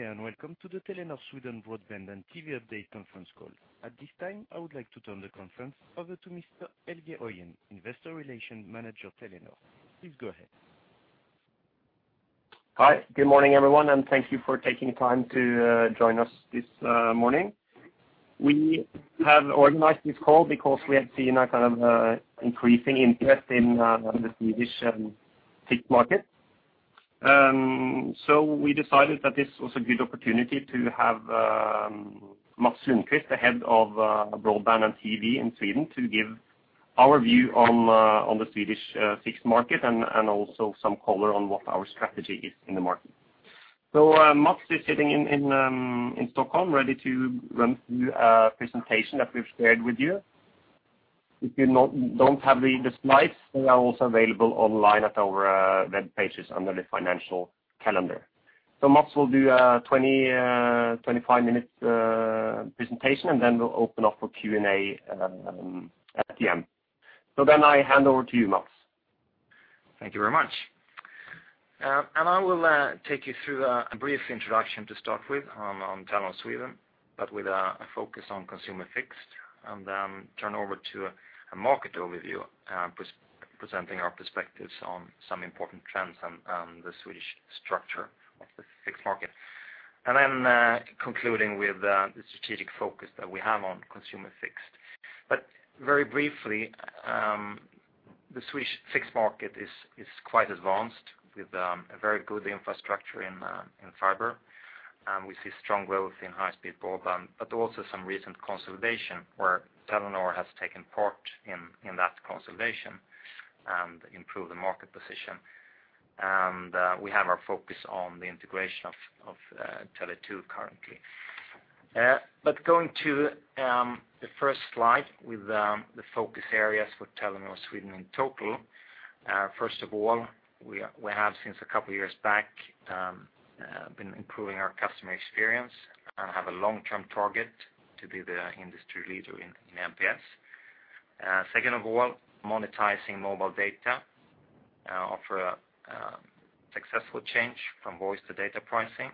Welcome to the Telenor Sweden Broadband and TV update conference call. At this time, I would like to turn the conference over to Mr. Helge Øien, Investor Relations Manager, Telenor. Please go ahead. Hi, good morning, everyone, and thank you for taking time to join us this morning. We have organized this call because we have seen a kind of increasing interest in the Swedish fixed market. So we decided that this was a good opportunity to have Mats Lundquist, the head of broadband and TV in Sweden, to give our view on the Swedish fixed market and also some color on what our strategy is in the market. So, Mats is sitting in Stockholm, ready to run through a presentation that we've shared with you. If you don't have the slides, they are also available online at our web pages under the financial calendar. Mats will do a 25-minute presentation, and then we'll open up for Q&A at the end. So then I hand over to you, Mats. Thank you very much. I will take you through a brief introduction to start with on Telenor Sweden, but with a focus on consumer fixed, and then turn over to a market overview, presenting our perspectives on some important trends on the Swedish structure of the fixed market. And then concluding with the strategic focus that we have on consumer fixed. But very briefly, the Swedish fixed market is quite advanced, with a very good infrastructure in fiber. And we see strong growth in high-speed broadband, but also some recent consolidation, where Telenor has taken part in that consolidation and improved the market position. And we have our focus on the integration of Tele2 currently. But going to the first slide with the focus areas for Telenor Sweden in total. First of all, we have, since a couple of years back, been improving our customer experience and have a long-term target to be the industry leader in NPS. Second of all, monetizing mobile data, offer a successful change from voice to data pricing.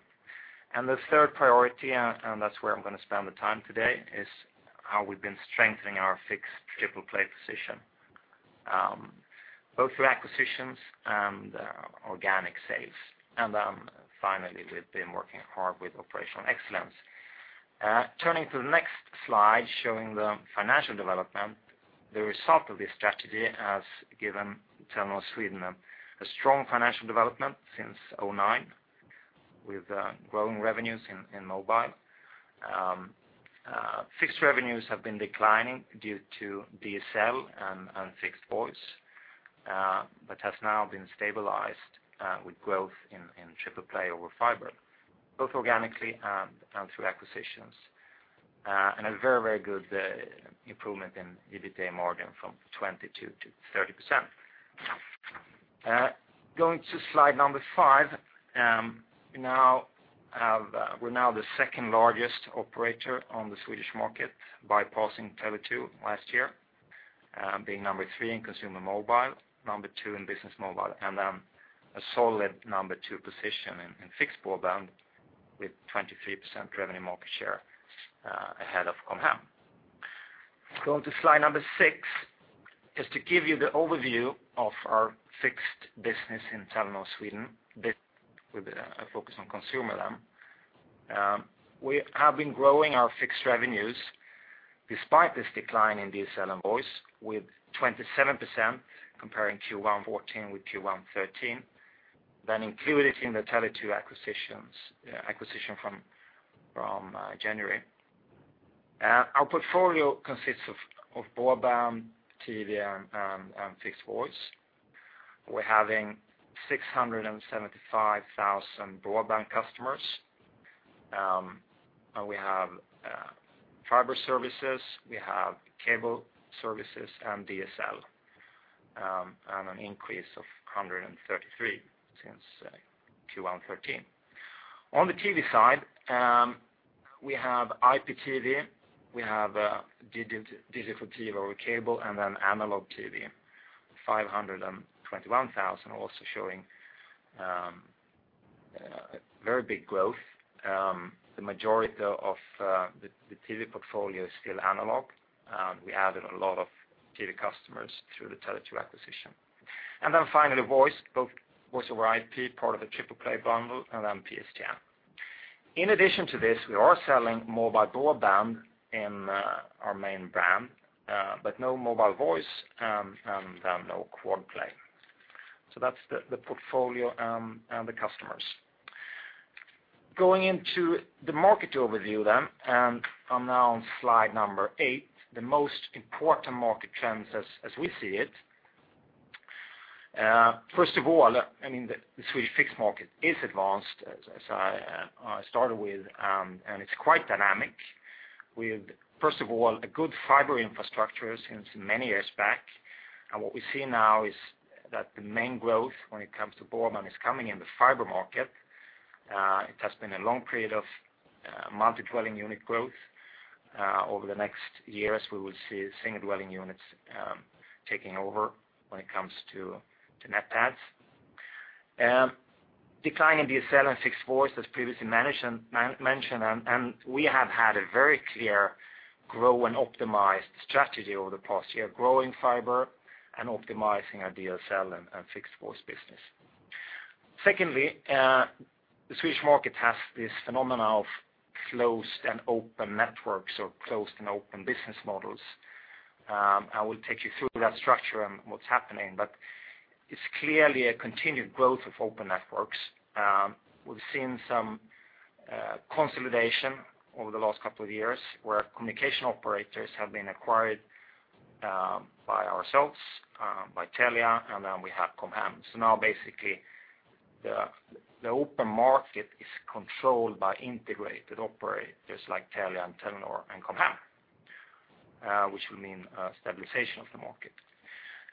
And the third priority, and that's where I'm gonna spend the time today, is how we've been strengthening our fixed triple play position, both through acquisitions and organic sales. And finally, we've been working hard with operational excellence. Turning to the next slide, showing the financial development, the result of this strategy has given Telenor Sweden a strong financial development since 2009, with growing revenues in mobile. Fixed revenues have been declining due to DSL and fixed voice, but has now been stabilized with growth in triple play over fiber, both organically and through acquisitions. And a very, very good improvement in EBITDA margin from 20%-30%. Going to slide number five, we now have, we're now the second-largest operator on the Swedish market, bypassing Tele2 last year, being number three in consumer mobile, number two in business mobile, and a solid number two position in fixed broadband, with 23% revenue market share, ahead of Com Hem. Going to slide number six is to give you the overview of our fixed business in Telenor Sweden, with a focus on consumer then. We have been growing our fixed revenues despite this decline in DSL and voice, with 27%, comparing Q1 2014 with Q1 2013, then included in the Tele2 acquisition from January. Our portfolio consists of broadband, TV, and fixed voice. We're having 675,000 broadband customers, and we have fiber services, we have cable services, and DSL, and an increase of 133 since Q1 2013. On the TV side, we have IPTV, we have digital TV over cable, and then analog TV. 521,000, also showing a very big growth. The majority of the TV portfolio is still analog. We added a lot of TV customers through the Tele2 acquisition. And then finally, voice, both voice over IP, part of the triple play bundle, and then PSTN. In addition to this, we are selling mobile broadband in our main brand, but no mobile voice, and no quad play. So that's the portfolio and the customers. Going into the market overview then, and I'm now on slide number eight, the most important market trends as we see it. First of all, I mean, the Swedish fixed market is advanced, as I started with, and it's quite dynamic. With, first of all, a good fiber infrastructure since many years back, and what we see now is that the main growth when it comes to broadband is coming in the fiber market. It has been a long period of-... A multi-dwelling unit growth, over the next years, we will see single-dwelling units, taking over when it comes to the net adds. Decline in DSL and fixed voice, as previously managed, mentioned, and we have had a very clear grow and optimized strategy over the past year, growing fiber and optimizing our DSL and fixed voice business. Secondly, the Swedish market has this phenomenon of closed and open networks, or closed and open business models. I will take you through that structure and what's happening, but it's clearly a continued growth of open networks. We've seen some, consolidation over the last couple of years, where communication operators have been acquired by ourselves, by Telia, and then we have Com Hem. So now, basically, the open market is controlled by integrated operators like Telia and Telenor and Com Hem, which will mean a stabilization of the market.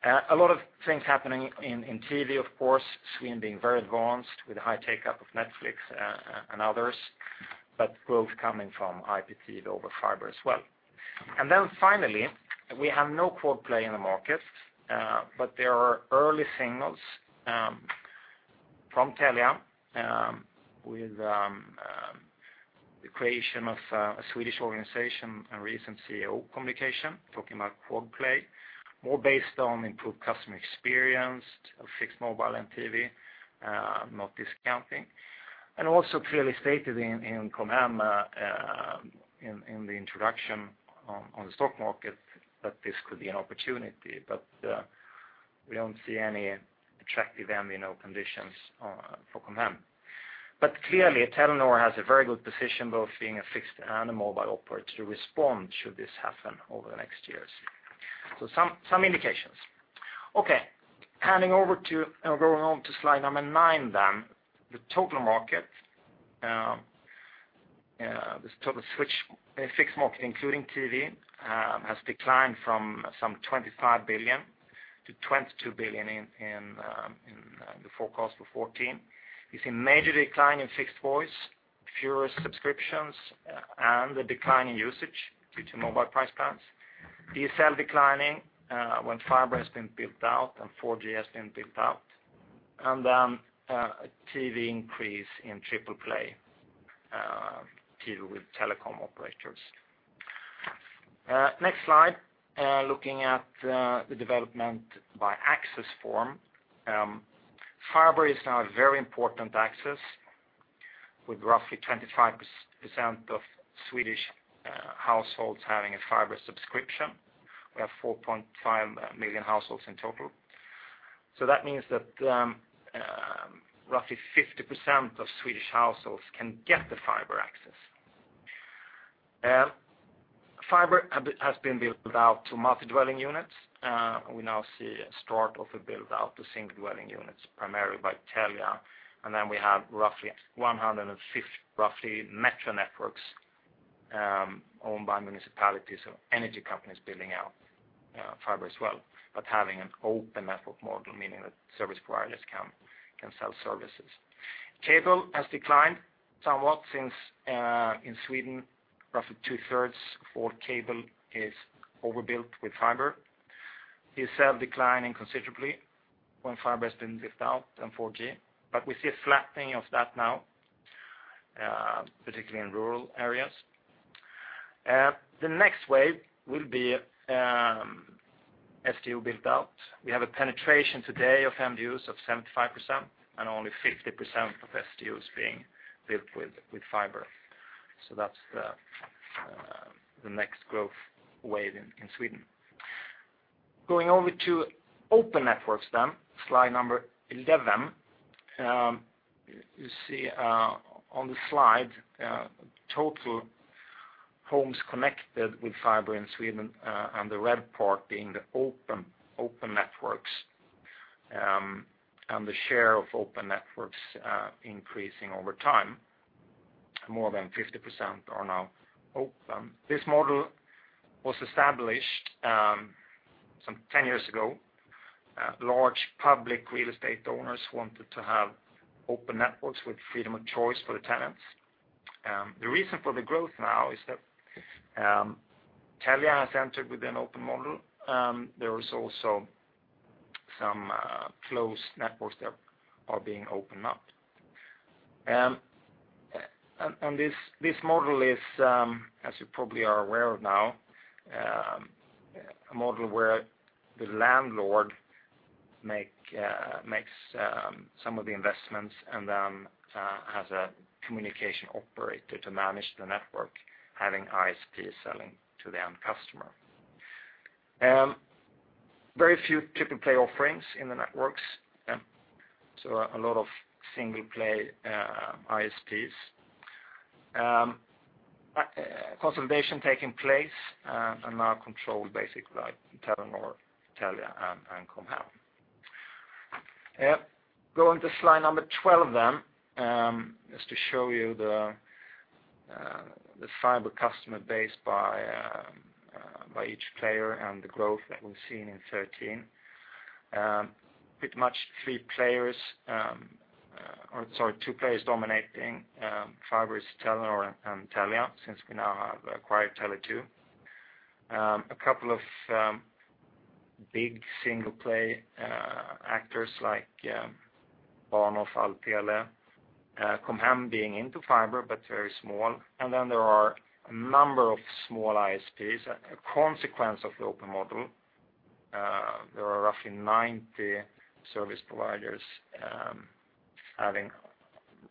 A lot of things happening in TV, of course, Sweden being very advanced with a high take-up of Netflix, and others, but growth coming from IPT over fiber as well. And then finally, we have no quad play in the market, but there are early signals from Telia, with the creation of a Swedish organization and recent CEO communication, talking about quad play. More based on improved customer experience of fixed mobile and TV, not discounting. And also clearly stated in Com Hem, in the introduction on the stock market, that this could be an opportunity. But, we don't see any attractive M&A conditions, for Com Hem. But clearly, Telenor has a very good position, both being a fixed and a mobile operator, to respond should this happen over the next years. So some, some indications. Okay, handing over to, or going on to slide number 9 then. The total market, the total switched fixed market, including TV, has declined from some 25 billion to 22 billion in, in, in the forecast for 2014. You see a major decline in fixed voice, fewer subscriptions, and the decline in usage due to mobile price plans. DSL declining, when fiber has been built out and 4G has been built out, and then, a TV increase in triple play, deal with telecom operators. Next slide, looking at, the development by access form. Fiber is now a very important access, with roughly 25% of Swedish households having a fiber subscription. We have 4.5 million households in total. So that means that, roughly 50% of Swedish households can get the fiber access. Fiber has been built out to multi-dwelling units. We now see a start of a build-out to single-dwelling units, primarily by Telia. And then we have roughly 150 metro networks, owned by municipalities or energy companies building out, fiber as well, but having an open network model, meaning that service providers can sell services. Cable has declined somewhat since in Sweden, roughly two-thirds for cable is overbuilt with fiber. DSL declining considerably when fiber has been built out and 4G. But we see a flattening of that now, particularly in rural areas. The next wave will be, SDU built out. We have a penetration today of MDUs of 75%, and only 50% of SDUs being built with fiber. So that's the next growth wave in Sweden. Going over to open networks then, slide number 11. You see, on the slide, total homes connected with fiber in Sweden, and the red part being the open networks, and the share of open networks increasing over time. More than 50% are now open. This model was established, some 10 years ago. Large public real estate owners wanted to have open networks with freedom of choice for the tenants. The reason for the growth now is that Telia has entered with an open model. There is also some closed networks that are being opened up. And this model is, as you probably are aware of now, a model where the landlord makes some of the investments, and then has a communication operator to manage the network, having ISPs selling to the end customer. Very few Triple Play offerings in the networks, so a lot of single-play ISPs. Consolidation taking place, and now controlled basically by Telenor, Telia, and Com Hem. Going to slide number 12 then, just to show you the fiber customer base by each player and the growth that we've seen in 2013. Pretty much three players, or sorry, two players dominating, fiber is Telenor and Telia, since we now have acquired Tele2. A couple of big single play actors like Bahnhof, AllTele, Com Hem being into fiber, but very small. And then there are a number of small ISPs, a consequence of the open model. There are roughly 90 service providers, having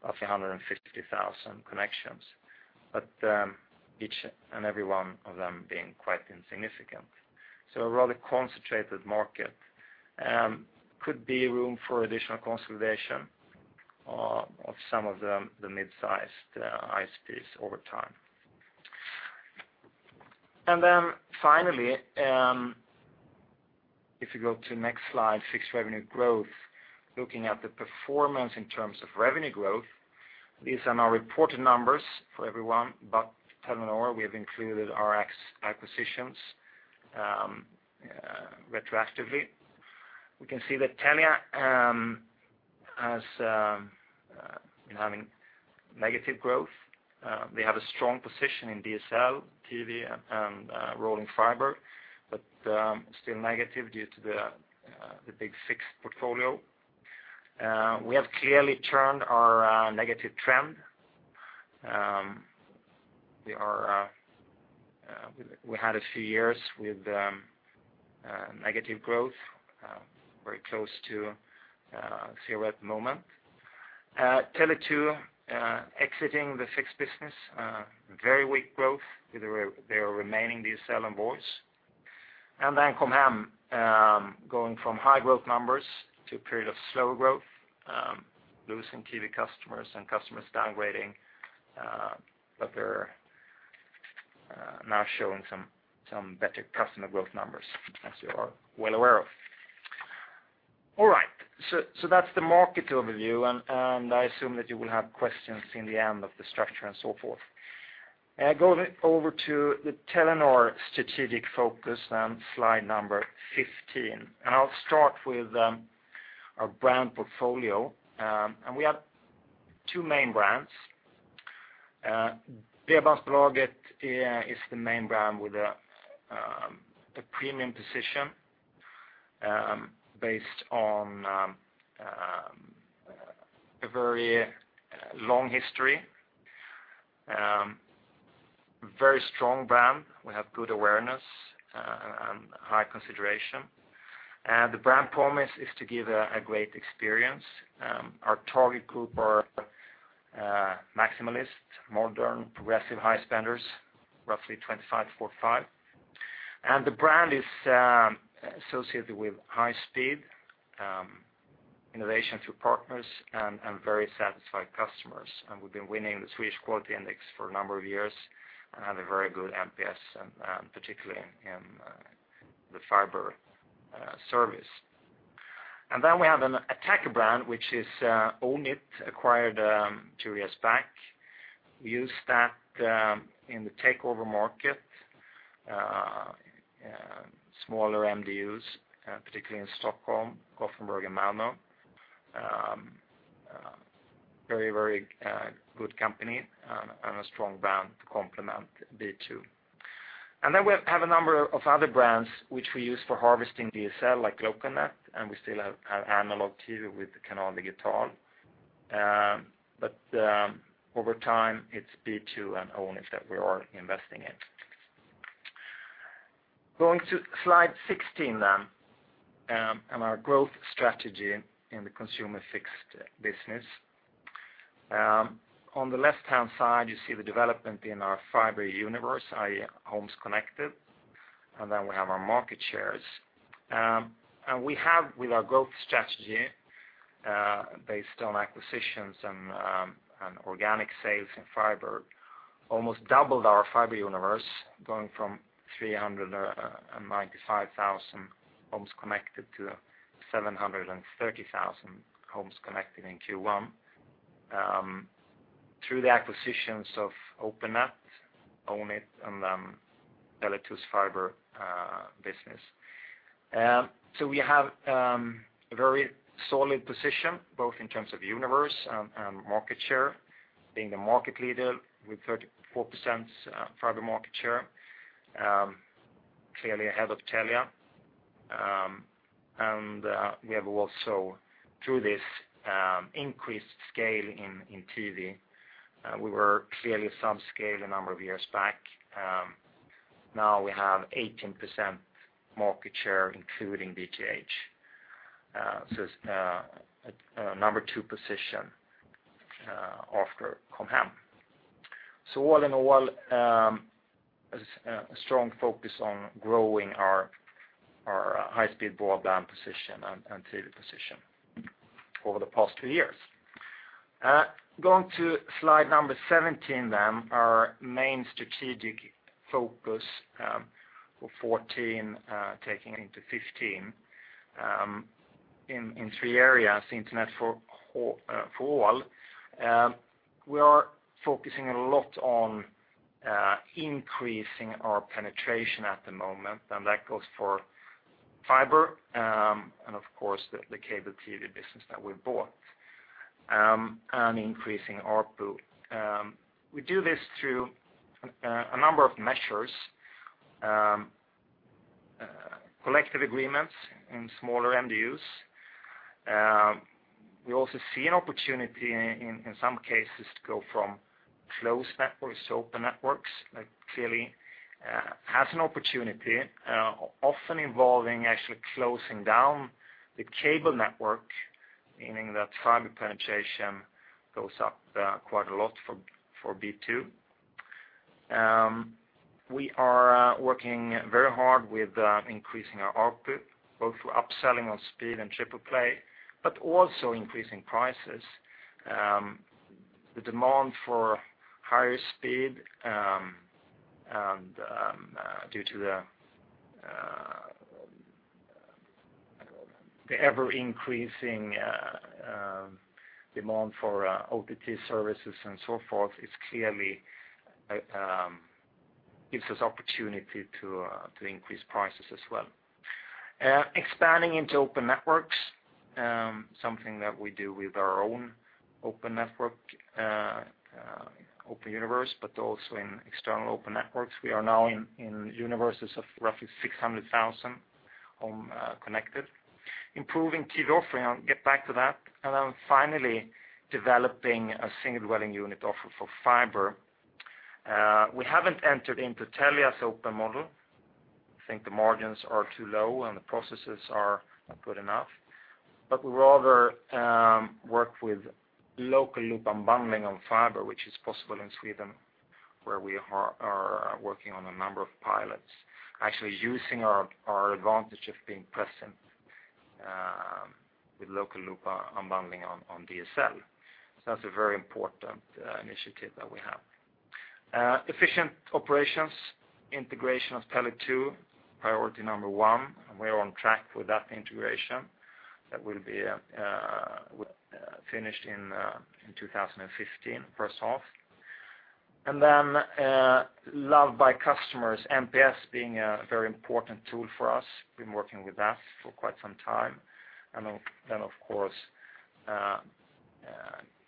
roughly 150,000 connections, but each and every one of them being quite insignificant. So a rather concentrated market, could be room for additional consolidation of some of the the mid-sized ISPs over time. And then finally, if you go to next slide, fixed revenue growth, looking at the performance in terms of revenue growth, these are our reported numbers for everyone, but Telenor, we have included our ex-acquisitions, retroactively. We can see that Telia has been having negative growth. They have a strong position in DSL, TV, and rolling fiber, but still negative due to the big six portfolio. We have clearly turned our negative trend. We had a few years with negative growth, very close to zero at the moment. Tele2 exiting the fixed business, very weak growth with their remaining DSL and voice. And then Com Hem going from high growth numbers to a period of slower growth, losing TV customers and customers downgrading, but they're now showing some better customer growth numbers, as you are well aware of. All right, so that's the market overview, and I assume that you will have questions in the end of the structure and so forth. I go over to the Telenor strategic focus on slide 15, and I'll start with our brand portfolio. And we have two main brands. Bredbandsbolaget is the main brand with a premium position based on a very long history, very strong brand. We have good awareness and high consideration. And the brand promise is to give a great experience. Our target group are maximalists, modern, progressive, high spenders, roughly 25-45. And the brand is associated with high speed, innovation through partners, and very satisfied customers. And we've been winning the Swedish Quality Index for a number of years, and have a very good NPS, and particularly in the fiber service. And then we have an attacker brand, which is Ownit, acquired two years back. We use that in the takeover market, smaller MDUs, particularly in Stockholm, Gothenburg, and Malmö. Very good company and a strong brand to complement B2. And then we have a number of other brands which we use for harvesting DSL, like Glocalnet, and we still have analog TV with Canal Digital. But over time, it's B2 and ownit that we are investing in. Going to slide 16 then, and our growth strategy in the consumer fixed business. On the left-hand side, you see the development in our fiber universe, i.e., homes connected, and then we have our market shares. And we have, with our growth strategy, based on acquisitions and organic sales in fiber, almost doubled our fiber universe, going from 395,000 homes connected to 730,000 homes connected in Q1, through the acquisitions of OpenNet, Ownit, and Tele2's fiber business. So we have a very solid position, both in terms of universe and market share, being the market leader with 34% fiber market share, clearly ahead of Telia. And we have also, through this, increased scale in TV, we were clearly subscale a number of years back. Now we have 18% market share, including BTH, so it's a number two position after Com Hem. So all in all, a strong focus on growing our high-speed broadband position and TV position over the past two years. Going to slide number 17 then, our main strategic focus for 2014, taking into 2015, in three areas, internet for all... We are focusing a lot on increasing our penetration at the moment, and that goes for fiber, and of course, the cable TV business that we bought, and increasing ARPU. We do this through a number of measures, collective agreements in smaller MDUs. We also see an opportunity in some cases to go from closed networks to open networks, that clearly has an opportunity, often involving actually closing down the cable network, meaning that fiber penetration goes up quite a lot for B2. We are working very hard with increasing our output, both through upselling on speed and triple play, but also increasing prices. The demand for higher speed and due to the ever-increasing demand for OTT services and so forth is clearly gives us opportunity to increase prices as well. Expanding into open networks, something that we do with our own open network, Open Universe, but also in external open networks. We are now in universes of roughly 600,000 homes connected. Improving TV offering, I'll get back to that. And then finally, developing a single dwelling unit offer for fiber. We haven't entered into Telia's open model. I think the margins are too low, and the processes are not good enough. But we rather work with local loop unbundling on fiber, which is possible in Sweden, where we are working on a number of pilots, actually using our advantage of being present with local loop unbundling on DSL. So that's a very important initiative that we have. Efficient operations, integration of Tele2, priority number one, and we are on track with that integration. That will be finished in 2015, first half. And then loved by customers, NPS being a very important tool for us, been working with that for quite some time. And then, of course,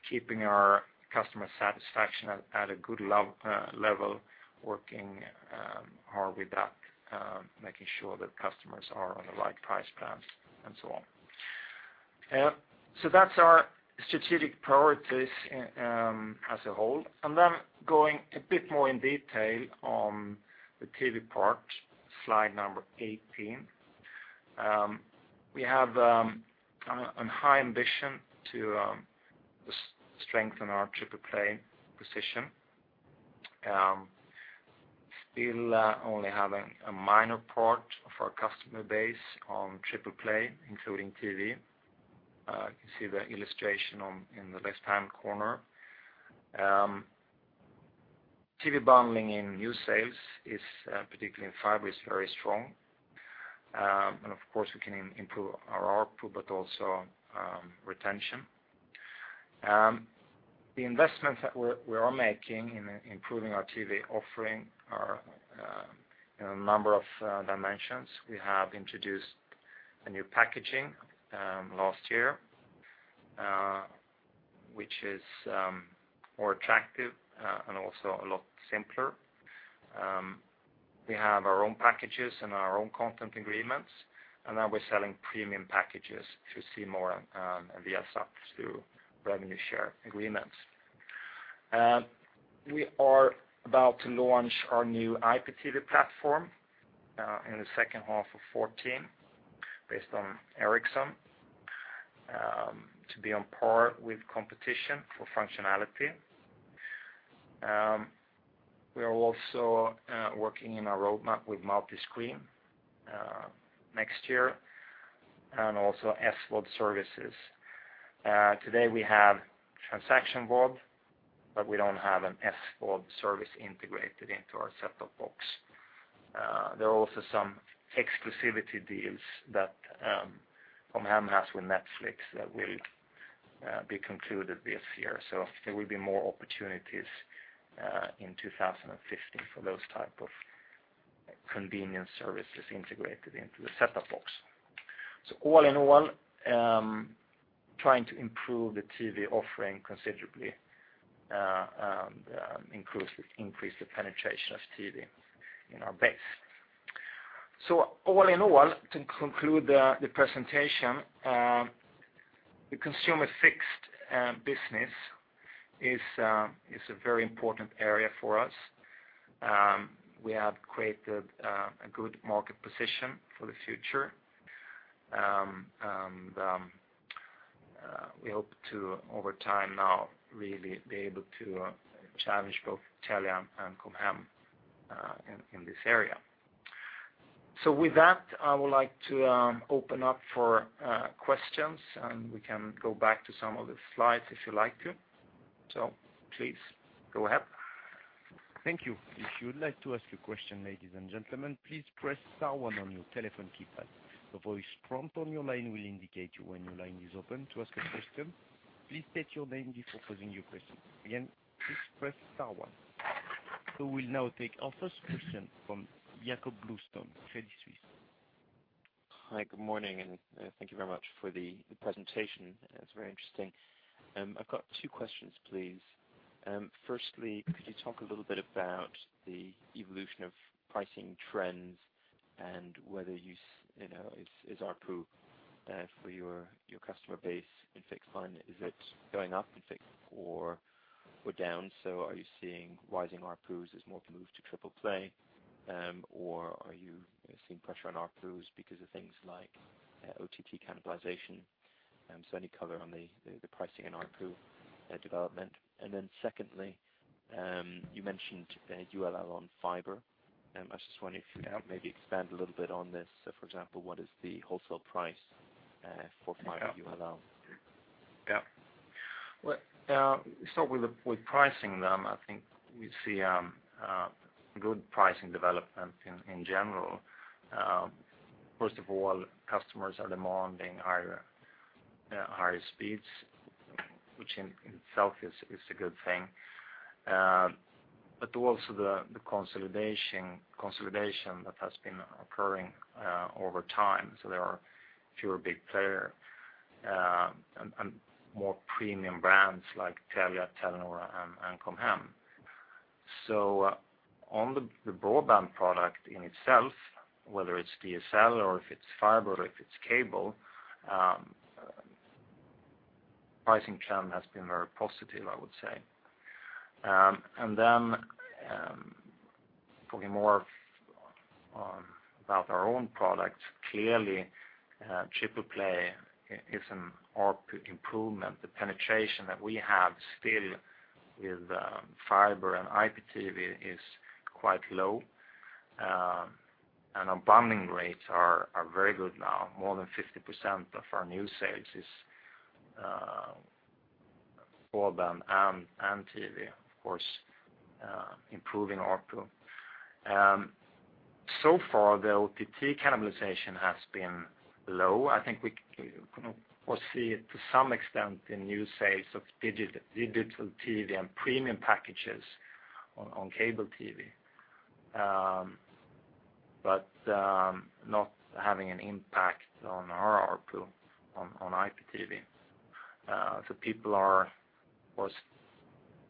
keeping our customer satisfaction at a good level, working hard with that, making sure that customers are on the right price plans and so on. So that's our strategic priorities as a whole. And then going a bit more in detail on the TV part, slide number 18. We have a high ambition to strengthen our Triple Play position. Still, only having a minor part of our customer base on Triple Play, including TV. You can see the illustration in the left-hand corner. TV bundling in new sales is, particularly in fiber, is very strong. And of course, we can improve our ARPU, but also retention. The investments that we're making in improving our TV offering are in a number of dimensions. We have introduced a new packaging last year, which is more attractive and also a lot simpler. We have our own packages and our own content agreements, and now we're selling premium packages to C More and Viasat through revenue share agreements. We are about to launch our new IPTV platform in the second half of 2014, based on Ericsson, to be on par with competition for functionality. We are also working in a roadmap with multi-screen next year, and also SVOD services. Today, we have transaction VOD, but we don't have an SVOD service integrated into our set-top box. There are also some exclusivity deals that Com Hem has with Netflix that will be concluded this year. So there will be more opportunities in 2015 for those type of convenience services integrated into the set-top box. So all in all, trying to improve the TV offering considerably, increase the penetration of TV in our base. So all in all, to conclude the presentation, the consumer fixed business is a very important area for us. We have created a good market position for the future. And we hope to, over time now, really be able to challenge both Telia and Com Hem in this area. So with that, I would like to open up for questions, and we can go back to some of the slides if you'd like to. So please, go ahead. Thank you. If you would like to ask a question, ladies and gentlemen, please press star one on your telephone keypad. The voice prompt on your line will indicate you when your line is open to ask a question. Please state your name before posing your question. Again, please press star one. We will now take our first question from Jakob Bluestone, Credit Suisse. Hi, good morning, and thank you very much for the presentation. It's very interesting. I've got two questions, please. Firstly, could you talk a little bit about the evolution of pricing trends and whether you know, is ARPU for your customer base in fixed line, is it going up in fixed or down? So are you seeing rising ARPUs as more people move to triple play? Or are you seeing pressure on ARPUs because of things like OTT cannibalization? So any color on the pricing and ARPU development. And then secondly, you mentioned LLU on fiber. I just wonder if you could maybe expand a little bit on this. So for example, what is the wholesale price for fiber LLU? Yeah. Well, so with the, with pricing them, I think we see good pricing development in general. First of all, customers are demanding higher higher speeds, which in itself is a good thing. But also the consolidation, consolidation that has been occurring over time. So there are fewer big player and more premium brands like Telia, Telenor, and Com Hem. So on the broadband product in itself, whether it's DSL or if it's fiber or if it's cable, pricing trend has been very positive, I would say. And then, talking more about our own products, clearly, triple play is an ARPU improvement. The penetration that we have still with fiber and IPTV is quite low. And our bundling rates are very good now. More than 50% of our new sales are broadband and TV, of course, improving ARPU. So far, the OTT cannibalization has been low. I think we can foresee it to some extent in new sales of digital TV and premium packages on cable TV. But not having an impact on our ARPU on IPTV. So people were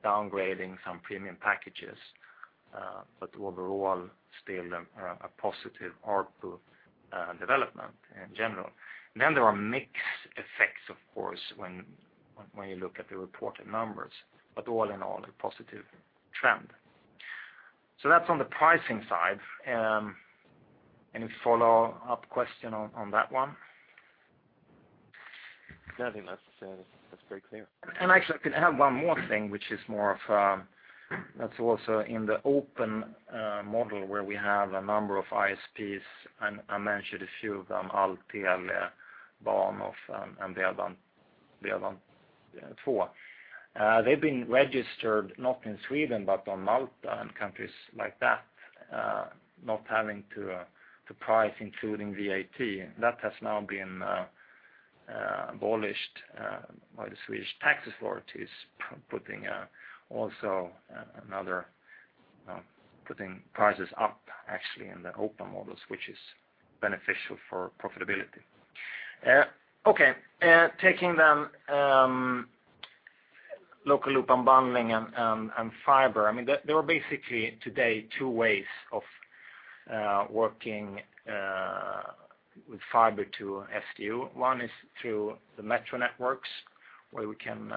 downgrading some premium packages, but overall still a positive ARPU development in general. Then there are mixed effects, of course, when you look at the reported numbers, but all in all, a positive trend. So that's on the pricing side. Any follow-up question on that one? Nothing, that's, that's very clear. Actually, I could add one more thing, which is more of a, that's also in the open model, where we have a number of ISPs, and I mentioned a few of them, Alt, Telia, Bahnhof, and the other one, the other one, too. They've been registered not in Sweden, but on Malta and countries like that, not having to price including VAT. That has now been abolished by the Swedish tax authorities, putting also another, putting prices up actually in the open models, which is beneficial for profitability. Okay, taking then Local Loop Unbundling and fiber. I mean, there are basically today two ways of working with fiber to SDU. One is through the metro networks, where we can,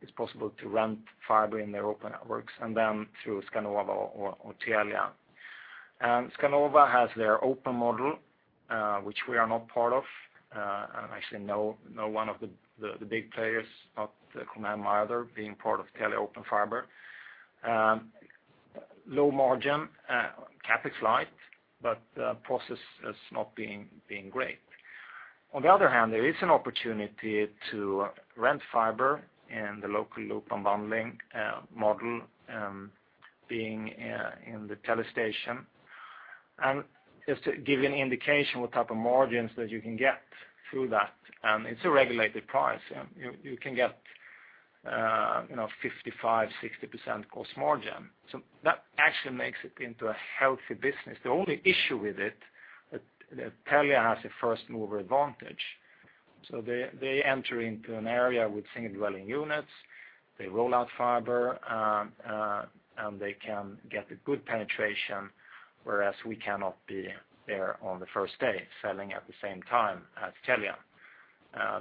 it's possible to rent fiber in their open networks, and then through Skanova or Telia. And Skanova has their open model, which we are not part of, and actually none of the big players, not Com Hem either, being part of Telia open fiber. Low margin, CapEx light, but the process is not being great. On the other hand, there is an opportunity to rent fiber in the local loop unbundling model, being in the Telia station. And just to give you an indication what type of margins that you can get through that, and it's a regulated price, you can get, you know, 55%-60% cost margin. So that actually makes it into a healthy business. The only issue with it, that Telia has a first-mover advantage. So they, they enter into an area with single-dwelling units, they roll out fiber, and they can get a good penetration, whereas we cannot be there on the first day, selling at the same time as Telia,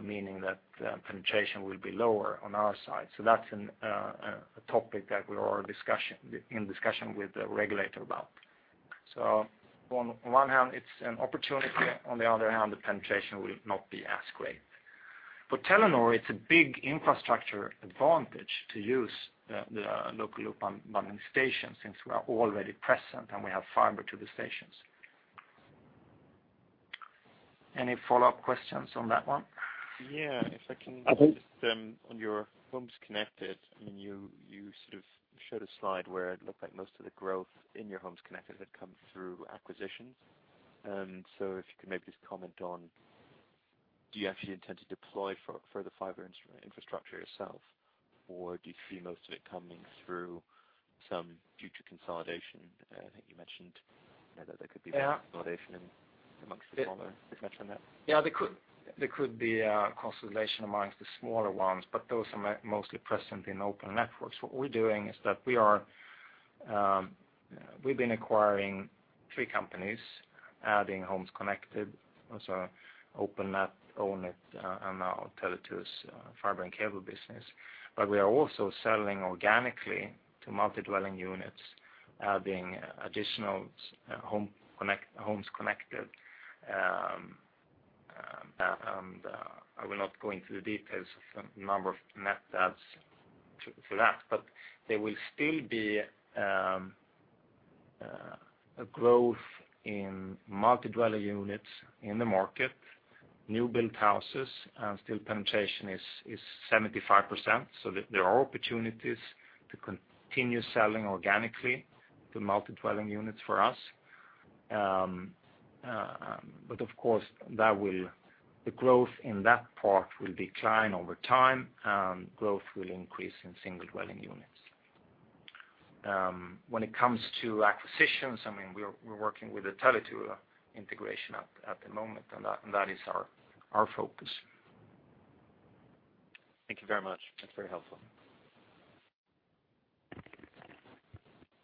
meaning that the penetration will be lower on our side. So that's a topic that we are in discussion with the regulator about. So on one hand, it's an opportunity, on the other hand, the penetration will not be as great. For Telenor, it's a big infrastructure advantage to use the Local Loop Unbundling station, since we are already present and we have fiber to the stations. Any follow-up questions on that one? Yeah, if I can- I think- On your homes connected, I mean, you sort of showed a slide where it looked like most of the growth in your homes connected had come through acquisitions. So if you could maybe just comment on, do you actually intend to deploy for further fiber infrastructure yourself, or do you see most of it coming through some future consolidation? I think you mentioned that there could be- Yeah Consolidation among the smaller. Did you mention that? Yeah, there could be consolidation among the smaller ones, but those are mostly present in open networks. What we're doing is we've been acquiring three companies, adding homes connected, also OpenNet, Ownit, and now Tele2's fiber and cable business. But we are also selling organically to multi-dwelling units, adding additional homes connected. And I will not go into the details of the number of net adds to that, but there will still be a growth in multi-dwelling units in the market. New build houses and still penetration is 75%, so there are opportunities to continue selling organically to multi-dwelling units for us. But of course, the growth in that part will decline over time, and growth will increase in single-dwelling units. When it comes to acquisitions, I mean, we're working with the Tele2's integration at the moment, and that is our focus. Thank you very much. That's very helpful.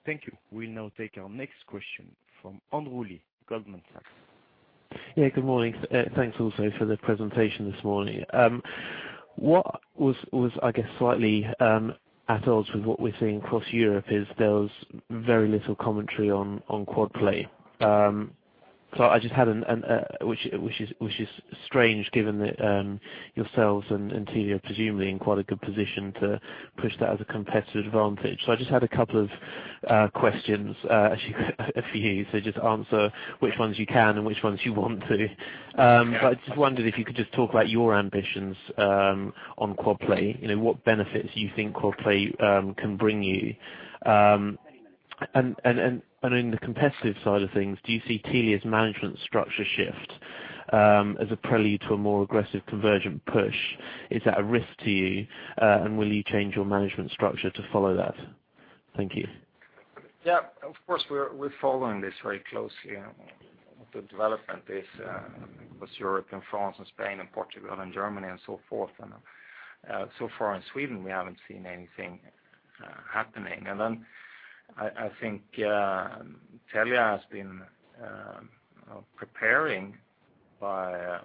Thank you. We'll now take our next question from Henry Leigh, Goldman Sachs. Yeah, good morning. Thanks also for the presentation this morning. What was, I guess, slightly at odds with what we're seeing across Europe is there was very little commentary on Quad Play. So I just had an... Which is strange, given that yourselves and Telia are presumably in quite a good position to push that as a competitive advantage. So I just had a couple of questions, actually for you. So just answer which ones you can and which ones you want to. But I just wondered if you could just talk about your ambitions on Quad Play. You know, what benefits do you think Quad Play can bring you? And in the competitive side of things, do you see Telia's management structure shift as a prelude to a more aggressive convergent push? Is that a risk to you, and will you change your management structure to follow that? Thank you. Yeah, of course, we're following this very closely. The development is with Europe and France and Spain and Portugal and Germany and so forth. So far in Sweden, we haven't seen anything happening. Then I think Telia has been preparing by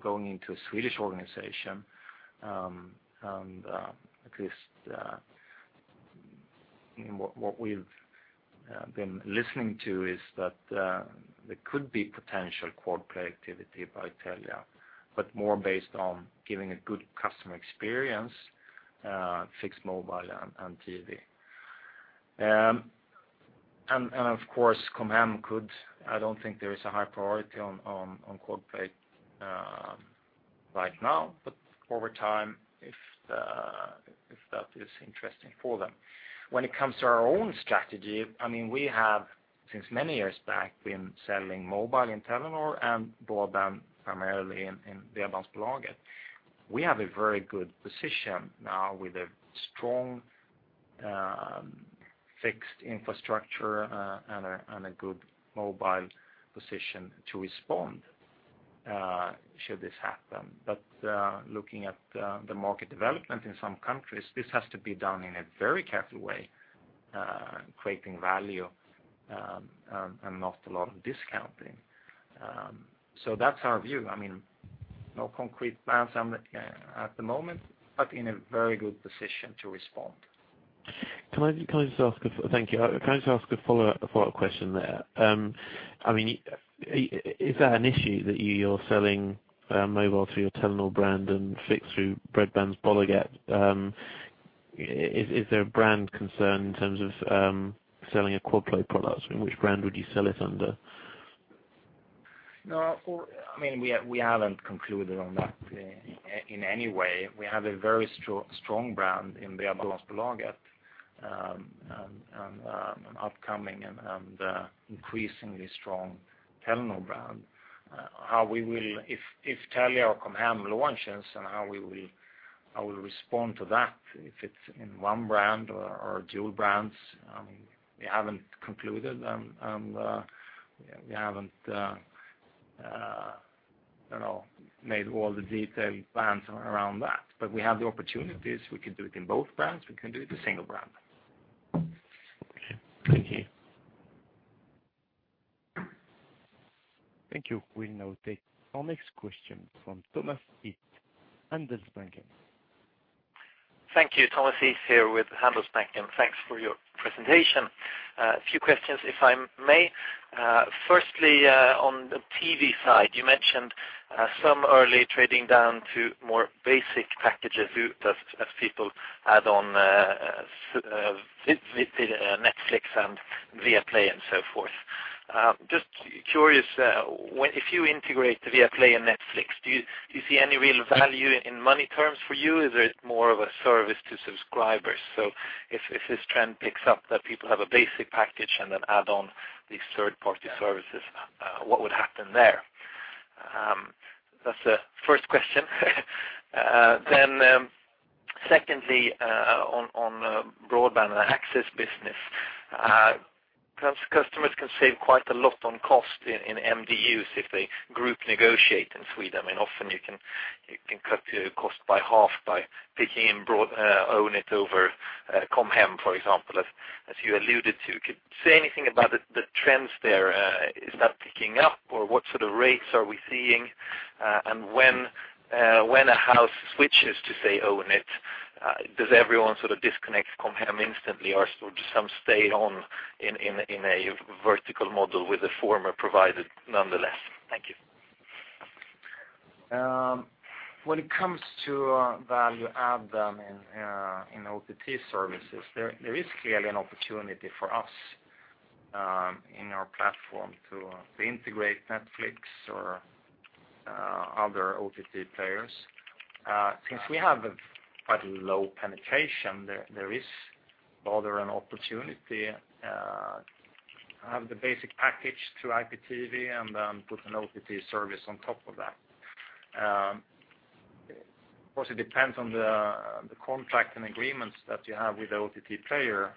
going into a Swedish organization, and at least what we've been listening to is that there could be potential quad play activity by Telia, but more based on giving a good customer experience, fixed mobile and TV. And of course, Com Hem could. I don't think there is a high priority on quad play right now, but over time, if that is interesting for them. When it comes to our own strategy, I mean, we have, since many years back, been selling mobile in Telenor and broadband primarily in the Bredbandsbolaget. We have a very good position now with a strong, fixed infrastructure, and a good mobile position to respond, should this happen. But, looking at the market development in some countries, this has to be done in a very careful way, creating value, and not a lot of discounting. So that's our view. I mean, no concrete plans on it at the moment, but in a very good position to respond. Can I just ask—thank you. Can I just ask a follow-up question there? I mean, is that an issue that you're selling mobile through your Telenor brand and fixed through Bredbandsbolaget? Is there a brand concern in terms of selling a quad play product? I mean, which brand would you sell it under? No, well, I mean, we haven't concluded on that in any way. We have a very strong brand in the Bredbandsbolaget, and an upcoming and increasingly strong Telenor brand. How we will. If Telia or Com Hem launches and how we will, how we'll respond to that, if it's in one brand or dual brands, we haven't concluded, and we haven't, I don't know, made all the detailed plans around that. But we have the opportunities. We can do it in both brands. We can do it in a single brand. Okay. Thank you. Thank you. We'll now take our next question from Thomas Heath, Handelsbanken. Thank you. Thomas Heath here with Handelsbanken. Thanks for your presentation. A few questions, if I may. Firstly, on the TV side, you mentioned- ...some early trading down to more basic packages, as, as people add on, Netflix and Viaplay and so forth. Just curious, if you integrate Viaplay and Netflix, do you, do you see any real value in money terms for you? Is it more of a service to subscribers? So if, if this trend picks up, that people have a basic package and then add on these third-party services, what would happen there? That's the first question. Then, secondly, on, on broadband and the access business, customers can save quite a lot on cost in, in MDUs if they group negotiate in Sweden, and often you can, you can cut your cost by half by picking Ownit over Com Hem, for example, as, as you alluded to. Could you say anything about the trends there? Is that picking up, or what sort of rates are we seeing? And when a house switches to, say, Ownit, does everyone sort of disconnect Com Hem instantly, or do some stay on in a vertical model with the former provider nonetheless? Thank you. When it comes to value add, in OTT services, there is clearly an opportunity for us in our platform to integrate Netflix or other OTT players. Since we have a quite low penetration, there is rather an opportunity to have the basic package to IPTV and then put an OTT service on top of that. Of course, it depends on the contract and agreements that you have with the OTT player.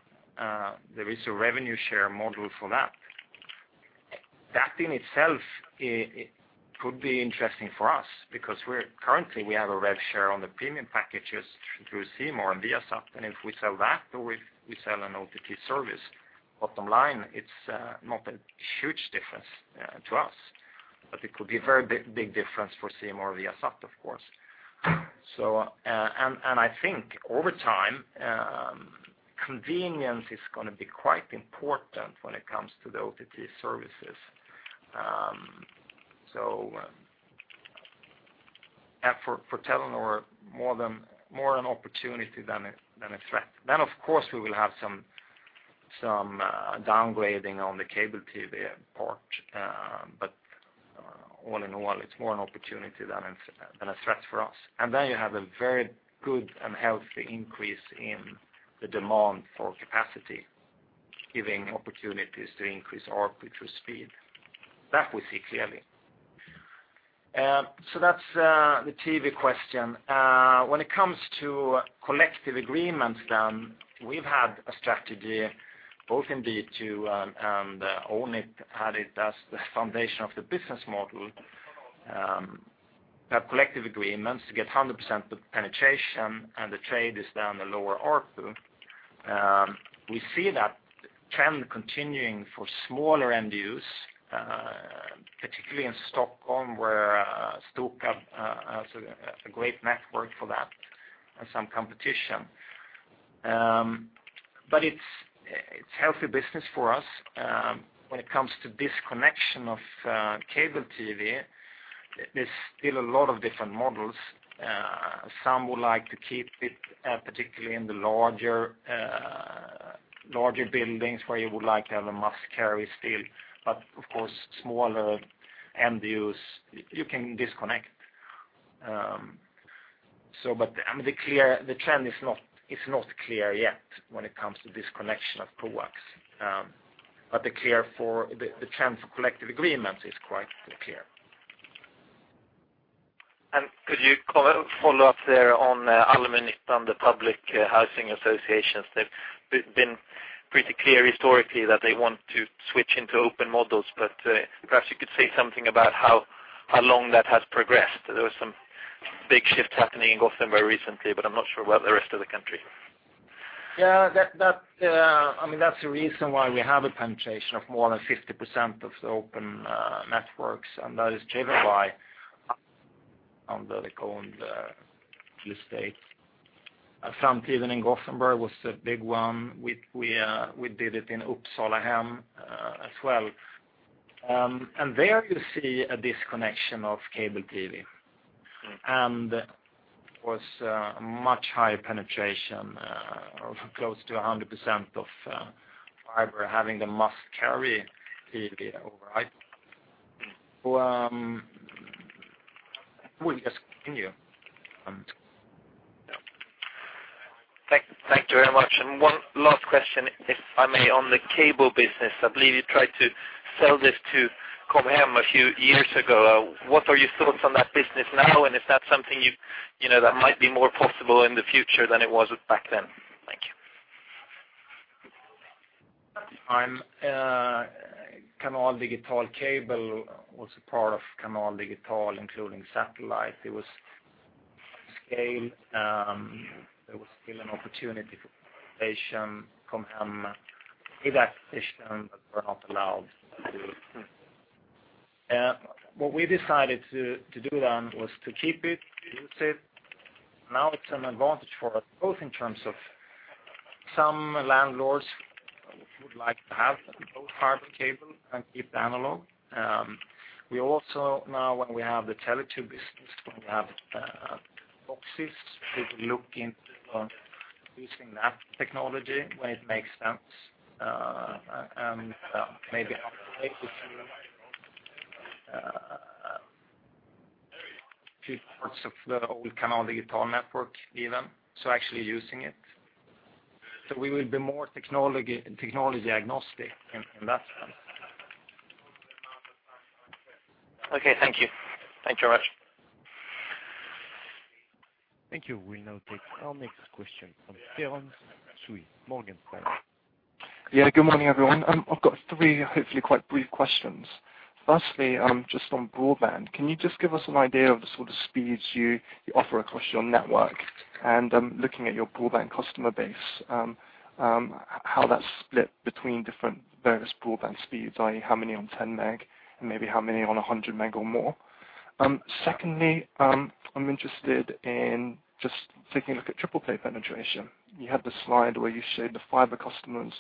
There is a revenue share model for that. That in itself could be interesting for us, because currently we have a rev share on the premium packages through C More and Viasat, and if we sell that, or we sell an OTT service, bottom line, it's not a huge difference to us. But it could be a very big, big difference for C More or Viasat, of course. So, and, and I think over time, convenience is gonna be quite important when it comes to the OTT services. So, for Telenor, more an opportunity than a threat. Then, of course, we will have some, some, downgrading on the cable TV part, but all in all, it's more an opportunity than a threat for us. And then you have a very good and healthy increase in the demand for capacity, giving opportunities to increase ARPU through speed. That we see clearly. So that's the TV question. When it comes to collective agreements, then we've had a strategy both in B2 and, and Ownit had it as the foundation of the business model. Have collective agreements to get 100% penetration, and the trade is down the lower ARPU. We see that trend continuing for smaller MDUs, particularly in Stockholm, where Stockholm has a great network for that and some competition. But it's healthy business for us. When it comes to disconnection of cable TV, there's still a lot of different models. Some would like to keep it, particularly in the larger buildings, where you would like to have a must-carry still. But of course, smaller MDUs, you can disconnect. So but, I mean, the trend is not clear yet when it comes to disconnection of coax. But the clear trend for collective agreements is quite clear. Could you follow up there on Allmännyttan, the public housing associations? They've been pretty clear historically that they want to switch into open models, but perhaps you could say something about how long that has progressed. There were some big shifts happening in Gothenburg recently, but I'm not sure about the rest of the country. Yeah, I mean, that's the reason why we have a penetration of more than 50% of the open networks, and that is driven by the state. Framtiden in Gothenburg was a big one. We did it in Uppsalahem as well. And there you see a disconnection of cable TV. Mm-hmm. And was much higher penetration of close to 100% of fiber having the must-carry TV over IP. We just continue. Thank you very much. One last question, if I may, on the cable business. I believe you tried to sell this to Com Hem a few years ago. What are your thoughts on that business now, and is that something you know that might be more possible in the future than it was back then? Thank you. Canal Digital cable was a part of Canal Digital, including satellite. It was scale, there was still an opportunity for penetration. Com Hem, with acquisition, were not allowed to. What we decided to do then was to keep it, use it. Now it's an advantage for us, both in terms of-... Some landlords would like to have both fiber cable and keep the analog. We also now, when we have the Tele2 business, when we have boxes, we will look into using that technology when it makes sense. And, maybe update it to few parts of the old Canal Digital network even, so actually using it. So we will be more technology agnostic in that sense. Okay, thank you. Thanks very much. Thank you. We'll now take our next question from Terence Tsui, Morgan Stanley. Yeah, good morning, everyone. I've got three, hopefully, quite brief questions. Firstly, just on broadband. Can you just give us an idea of the sort of speeds you offer across your network? And, looking at your broadband customer base, how that's split between different various broadband speeds, i.e., how many on 10 meg, and maybe how many on 100 meg or more. Secondly, I'm interested in just taking a look at triple play penetration. You had the slide where you showed the fiber customers,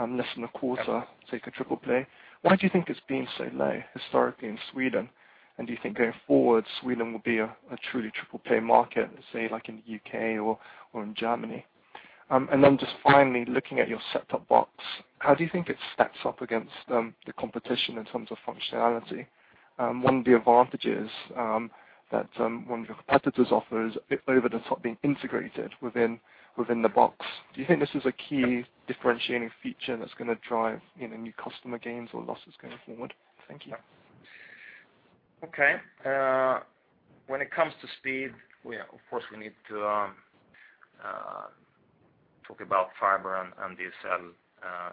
less than a quarter take a triple play. Why do you think it's been so low historically in Sweden? And do you think going forward, Sweden will be a truly triple play market, say, like in the UK or in Germany? And then just finally, looking at your set-top box, how do you think it stacks up against the competition in terms of functionality? One of the advantages that one of your competitors offers over-the-top being integrated within the box. Do you think this is a key differentiating feature that's gonna drive, you know, new customer gains or losses going forward? Thank you. Okay. When it comes to speed, we of course, we need to talk about fiber and, and DSL,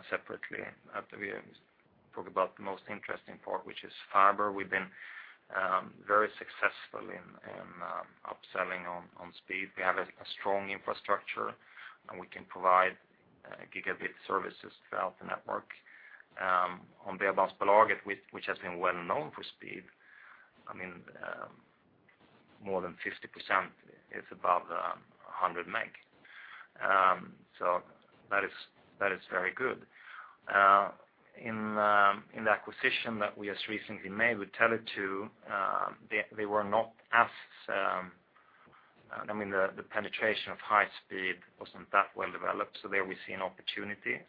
separately. After we talk about the most interesting part, which is fiber. We've been, very successful in, in, upselling on, on speed. We have a, a strong infrastructure, and we can provide, gigabit services throughout the network. On the advanced market, which, which has been well known for speed, I mean, more than 50% is above, a 100 meg. So that is, that is very good. In the acquisition that we just recently made with Tele2, they were not as, I mean, the penetration of high speed wasn't that well developed, so there we see an opportunity,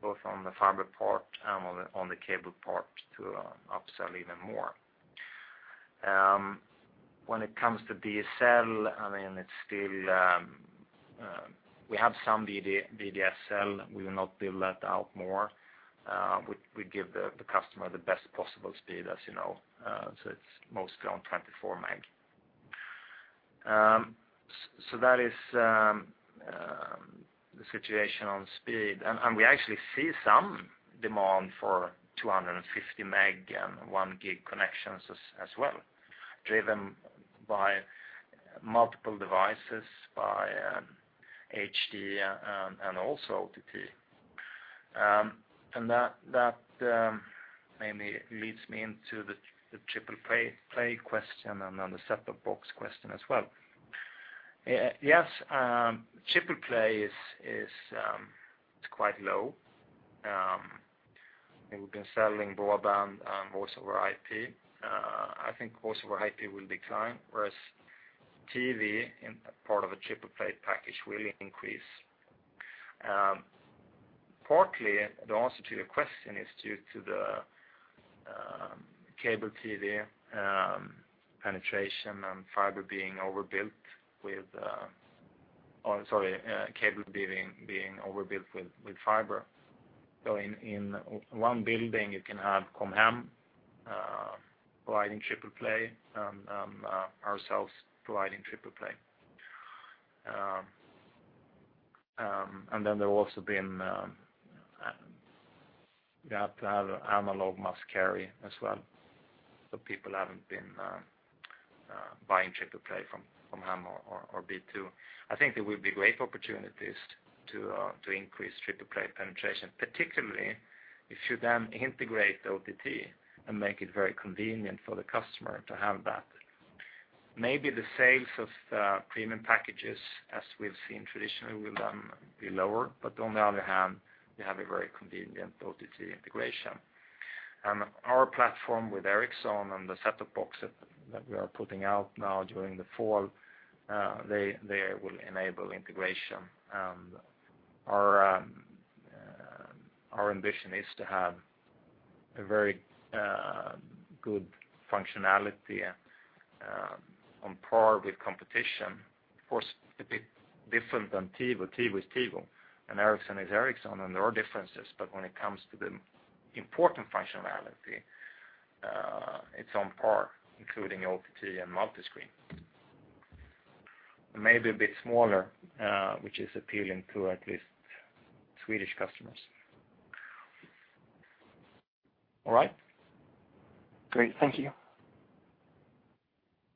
both on the fiber part and on the cable part, to upsell even more. When it comes to DSL, I mean, it's still, we have some VDSL. We will not build that out more. We give the customer the best possible speed, as you know, so it's mostly on 24 meg. So that is the situation on speed. And we actually see some demand for 250 meg and 1 gig connections as well, driven by multiple devices, by HD, and also OTT. That maybe leads me into the Triple Play question and then the set-top box question as well. Yes, Triple Play is quite low. We've been selling broadband, voice over IP. I think voice over IP will decline, whereas TV in part of a Triple Play package will increase. Partly, the answer to your question is due to the cable TV penetration and fiber being overbuilt with... Oh, sorry, cable being overbuilt with fiber. So in one building, you can have Com Hem providing Triple Play, and then there have also been, you have to have analog must carry as well. So people haven't been buying Triple Play from Com Hem or B2. I think there will be great opportunities to increase triple play penetration, particularly if you then integrate OTT and make it very convenient for the customer to have that. Maybe the sales of the premium packages, as we've seen traditionally, will be lower, but on the other hand, you have a very convenient OTT integration. Our platform with Ericsson and the set-top box that we are putting out now during the fall will enable integration. Our ambition is to have a very good functionality on par with competition. Of course, a bit different than TiVo. TiVo is TiVo, and Ericsson is Ericsson, and there are differences. But when it comes to the important functionality, it's on par, including OTT and multiscreen. Maybe a bit smaller, which is appealing to at least Swedish customers. All right? Great. Thank you.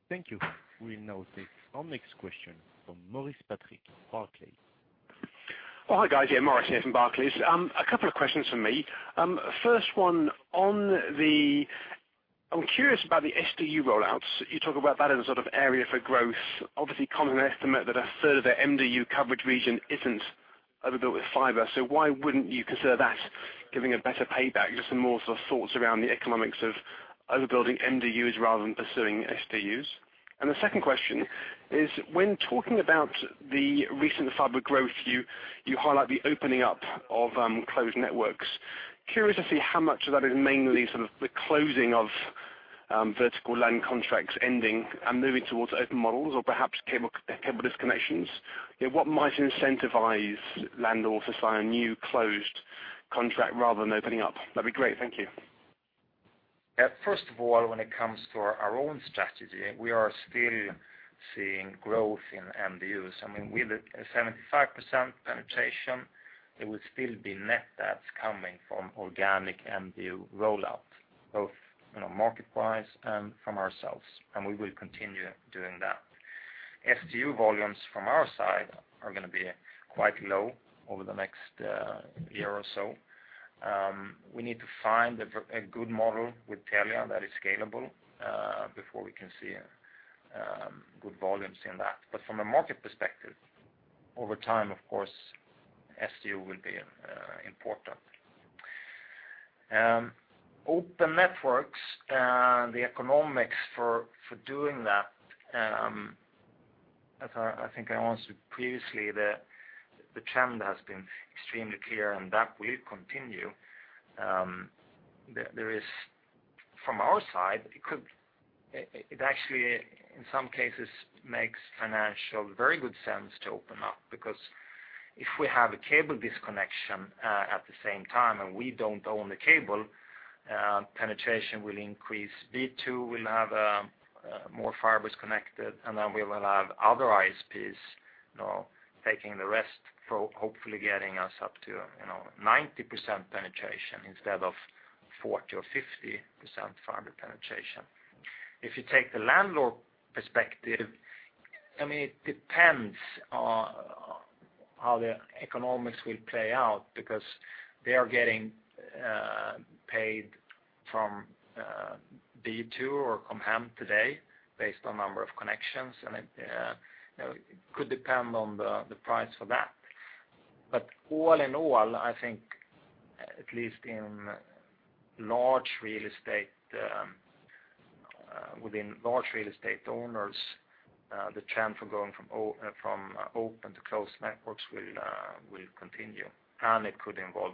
Thank you. We'll now take our next question from Maurice Patrick, Barclays. Oh, hi, guys. Yeah, Maurice here from Barclays. A couple of questions from me. First one on the-... I'm curious about the SDU rollouts. You talk about that as a sort of area for growth. Obviously, common estimate that a third of the MDU coverage region isn't overbuilt with fiber, so why wouldn't you consider that giving a better payback? Just some more sort of thoughts around the economics of overbuilding MDUs rather than pursuing SDUs. The second question is, when talking about the recent fiber growth, you highlight the opening up of closed networks. Curious to see how much of that is mainly sort of the closing of vertical land contracts ending and moving towards open models or perhaps cable, cable disconnections. What might incentivize landlords to sign a new closed contract rather than opening up? That'd be great. Thank you. Yeah, first of all, when it comes to our own strategy, we are still seeing growth in MDUs. I mean, with 75% penetration, there will still be net adds coming from organic MDU rollout, both, you know, market-wise and from ourselves, and we will continue doing that. SDU volumes from our side are gonna be quite low over the next year or so. We need to find a good model with Telia that is scalable before we can see good volumes in that. But from a market perspective, over time, of course, SDU will be important. Open networks, the economics for doing that, as I think I answered previously, the trend has been extremely clear, and that will continue. There is from our side, it actually, in some cases, makes financial very good sense to open up. Because if we have a cable disconnection at the same time, and we don't own the cable, penetration will increase. B2 will have more fibers connected, and then we will have other ISPs, you know, taking the rest for hopefully getting us up to, you know, 90% penetration instead of 40% or 50% fiber penetration. If you take the landlord perspective, I mean, it depends on how the economics will play out, because they are getting paid from B2 or Com Hem today, based on number of connections, and it, you know, it could depend on the price for that. But all in all, I think, at least in large real estate, within large real estate owners, the trend for going from open to closed networks will continue, and it could involve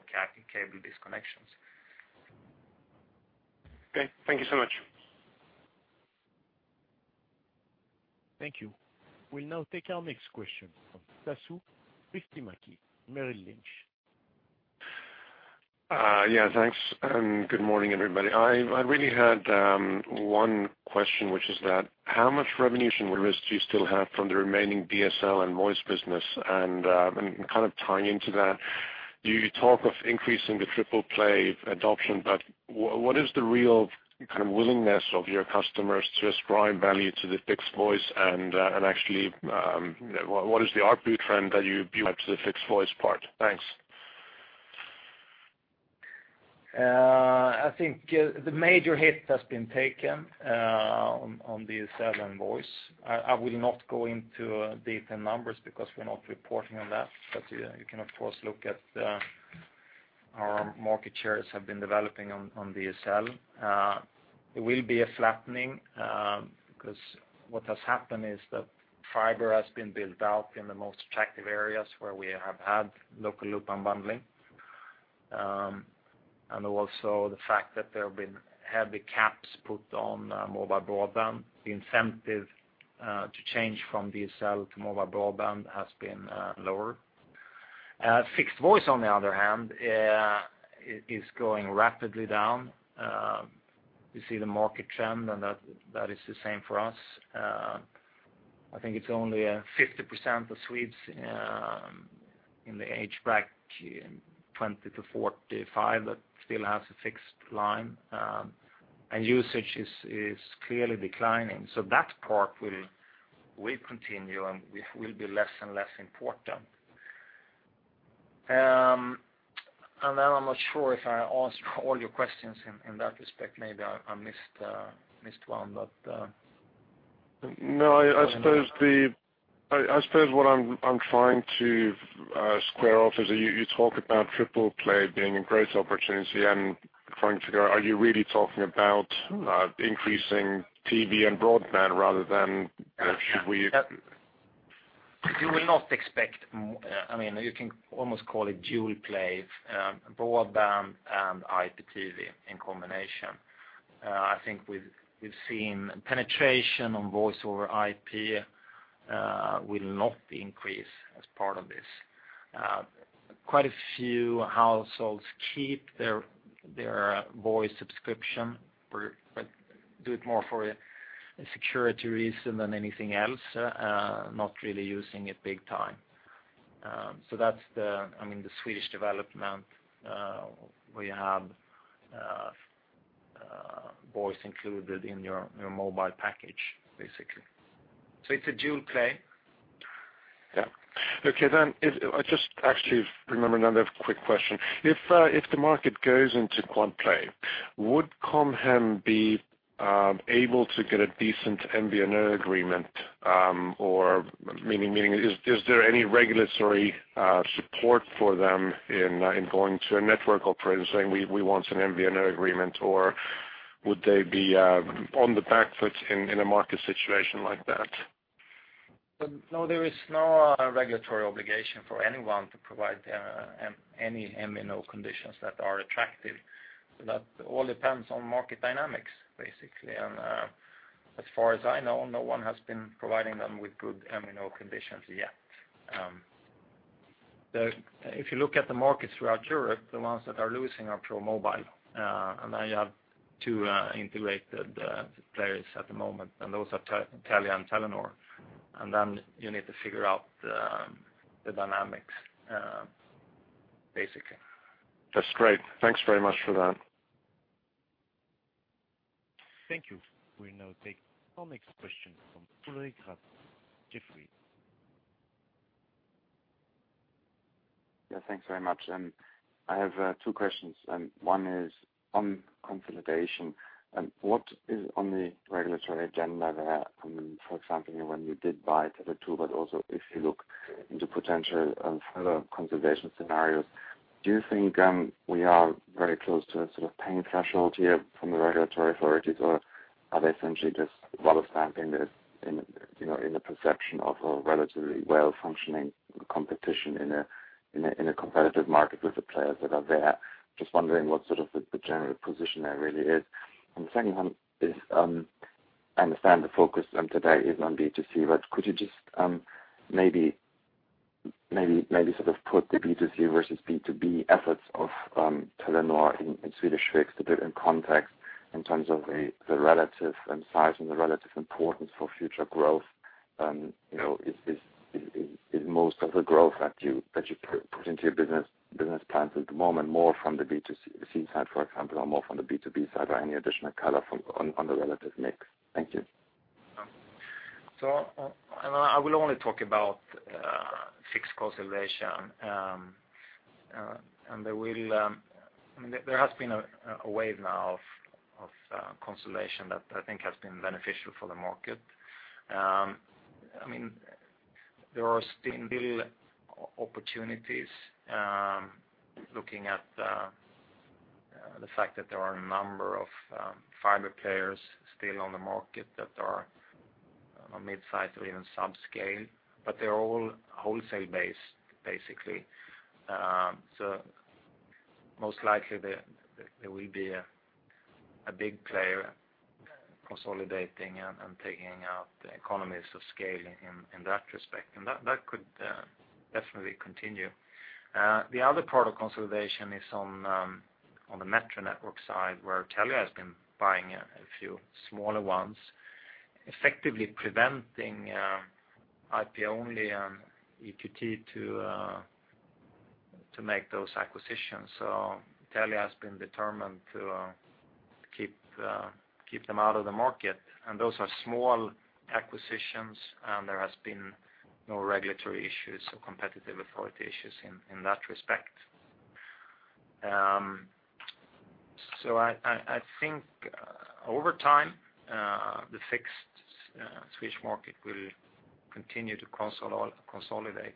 cable disconnections. Okay, thank you so much. Thank you. We'll now take our next question from Tatu Ristimaki, Merrill Lynch. Yeah, thanks, and good morning, everybody. I really had one question, which is that, how much revenue and risk do you still have from the remaining BSL and voice business? And, and kind of tying into that, you talk of increasing the Triple Play adoption, but what is the real kind of willingness of your customers to ascribe value to the fixed voice, and, and actually, what is the ARPU trend that you view to the fixed voice part? Thanks. I think the, the major hit has been taken, on, on the SL and voice. I will not go into data numbers because we're not reporting on that, but you can, of course, look at, our market shares have been developing on, on DSL. It will be a flattening, because what has happened is that fiber has been built out in the most attractive areas where we have had Local Loop Unbundling. And also the fact that there have been heavy caps put on, mobile broadband. The incentive, to change from DSL to mobile broadband has been, lower. Fixed voice, on the other hand, is going rapidly down. You see the market trend, and that is the same for us. I think it's only 50% of Swedes in the age bracket 20-45 that still has a fixed line, and usage is clearly declining. So that part will continue, and will be less and less important. And then I'm not sure if I answered all your questions in that respect. Maybe I missed one, but- No, I suppose what I'm trying to square off is you talk about Triple Play being a great opportunity. I'm trying to figure out, are you really talking about increasing TV and broadband rather than should we- You will not expect. I mean, you can almost call it dual play, broadband and IPTV in combination. I think we've seen penetration on voice over IP will not increase as part of this. Quite a few households keep their voice subscription but do it more for a security reason than anything else, not really using it big time. So that's, I mean, the Swedish development, where you have voice included in your mobile package, basically. So it's a dual play.... Yeah. Okay, then if I just actually remember another quick question. If the market goes into Quad Play, would Com Hem be able to get a decent MVNO agreement, or meaning, meaning is there any regulatory support for them in going to a network operator and saying, we want an MVNO agreement, or would they be on the back foot in a market situation like that? No, there is no regulatory obligation for anyone to provide any MNO conditions that are attractive. That all depends on market dynamics, basically. As far as I know, no one has been providing them with good MNO conditions yet. If you look at the markets throughout Europe, the ones that are losing are pro mobile, and now you have two integrated players at the moment, and those are Telia and Telenor. And then you need to figure out the dynamics, basically. That's great. Thanks very much for that. Thank you. We'll now take our next question from Ulrich Rathe, Jefferies. Yeah, thanks very much. I have two questions, and one is on consolidation. What is on the regulatory agenda there? I mean, for example, when you did buy Tele2, but also if you look into potential and further consolidation scenarios, do you think we are very close to a sort of pain threshold here from the regulatory authorities, or are they essentially just well stamping this in, you know, in the perception of a relatively well-functioning competition in a competitive market with the players that are there? Just wondering what sort of the general position there really is. And the second one is, I understand the focus today is on B2C, but could you just maybe sort of put the B2C versus B2B efforts of Telenor in Swedish fixed a bit in context, in terms of the relative size and the relative importance for future growth? And, you know, is most of the growth that you put into your business plans at the moment more from the B2C side, for example, or more from the B2B side, or any additional color on the relative mix? Thank you. I will only talk about fixed consolidation. There has been a wave now of consolidation that I think has been beneficial for the market. I mean, there are still opportunities, looking at the fact that there are a number of fiber players still on the market that are mid-sized or even some scale, but they're all wholesale-based, basically. So most likely there will be a big player consolidating and taking out the economies of scale in that respect, and that could definitely continue. The other part of consolidation is on the metro network side, where Telia has been buying a few smaller ones, effectively preventing IP-Only EQT to make those acquisitions. So Telia has been determined to keep them out of the market, and those are small acquisitions, and there has been no regulatory issues or competition authority issues in that respect. So I think over time the fixed Swedish market will continue to consolidate.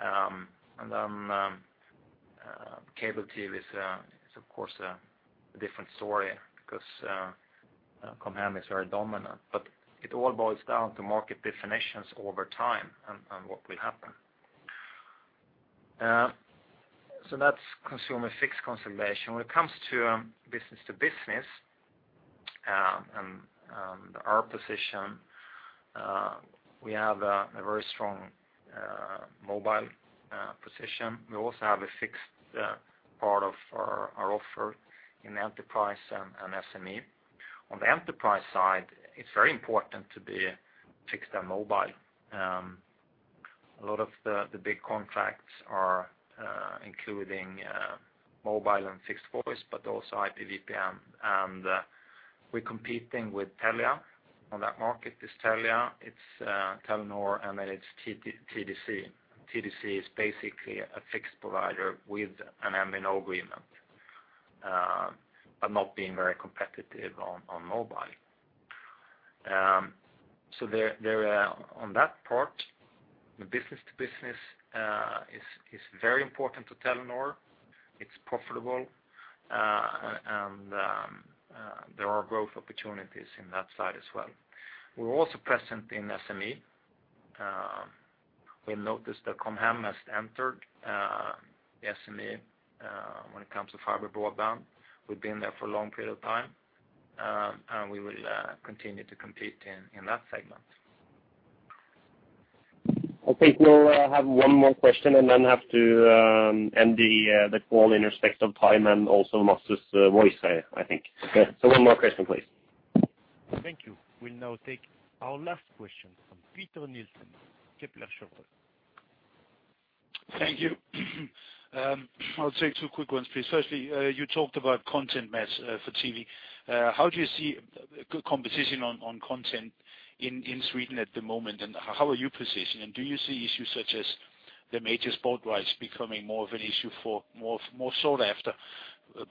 And then cable TV is of course a different story, because Com Hem is very dominant. But it all boils down to market definitions over time and what will happen. So that's consumer fixed consolidation. When it comes to business to business and our position, we have a very strong mobile position. We also have a fixed part of our offer in enterprise and SME. On the enterprise side, it's very important to be fixed and mobile. A lot of the big contracts are including mobile and fixed voice, but also IPVPN, and we're competing with Telia. On that market, it's Telia, it's Telenor, and then it's TDC. TDC is basically a fixed provider with an MNO agreement, but not being very competitive on mobile. So there on that part, the business to business is very important to Telenor. It's profitable, and there are growth opportunities in that side as well. We're also present in SME. We noticed that Com Hem has entered the SME when it comes to fiber broadband. We've been there for a long period of time, and we will continue to compete in that segment. I think we'll have one more question and then have to end the call in respect of time and also Mats' voice, I think. Okay, so one more question, please. Thank you. We'll now take our last question from Peter Nielsen, Kepler Cheuvreux. ...Thank you. I'll take two quick ones, please. Firstly, you talked about content, Mats, for TV. How do you see good competition on content in Sweden at the moment? And how are you positioned? And do you see issues such as the major sport rights becoming more of an issue, more sought after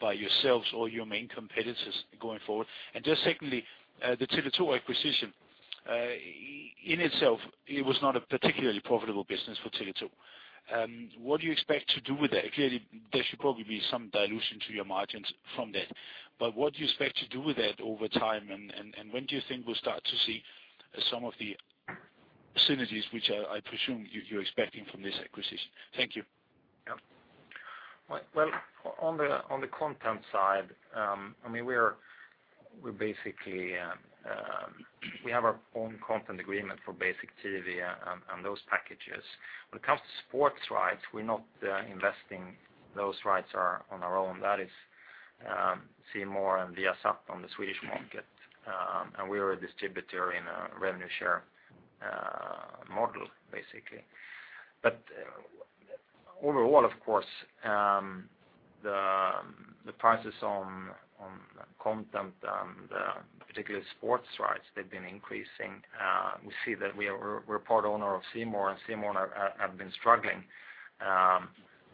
by yourselves or your main competitors going forward? And just secondly, the Tele2 acquisition, in itself, it was not a particularly profitable business for Tele2. What do you expect to do with that? Clearly, there should probably be some dilution to your margins from that. But what do you expect to do with that over time, and when do you think we'll start to see some of the synergies which I presume you're expecting from this acquisition? Thank you. Yeah. Well, on the content side, I mean, we're basically we have our own content agreement for basic TV and those packages. When it comes to sports rights, we're not investing those rights are on our own. That is, C More and Viasat on the Swedish market. And we are a distributor in a revenue share model, basically. But overall, of course, the prices on content and particularly sports rights, they've been increasing. We see that we're part owner of C More, and C More have been struggling,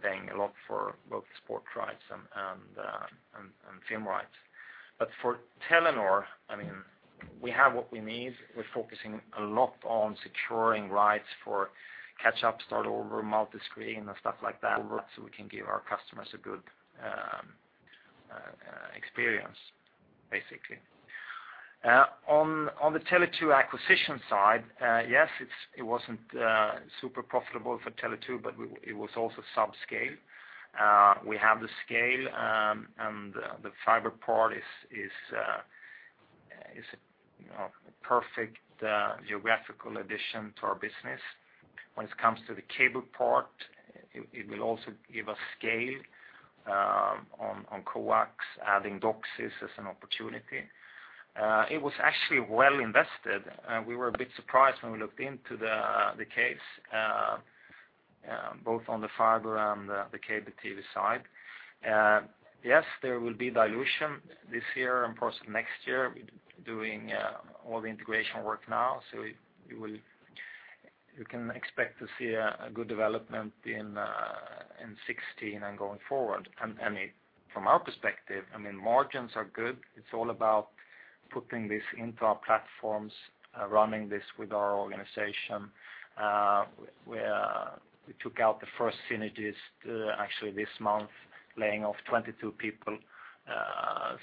paying a lot for both sport rights and film rights. But for Telenor, I mean, we have what we need. We're focusing a lot on securing rights for catch-up, start over, multi-screen, and stuff like that, so we can give our customers a good experience, basically. On the Tele2 acquisition side, yes, it's- it wasn't super profitable for Tele2, but we- it was also subscale. We have the scale, and the fiber part is, you know, a perfect geographical addition to our business. When it comes to the cable part, it will also give us scale, on coax, adding DOCSIS as an opportunity. It was actually well invested, and we were a bit surprised when we looked into the case, both on the fiber and the cable TV side. Yes, there will be dilution this year and possibly next year. We're doing all the integration work now, so you will- you can expect to see a good development in 2016 and going forward. And, I mean, from our perspective, I mean, margins are good. It's all about putting this into our platforms, running this with our organization. We took out the first synergies, actually this month, laying off 22 people.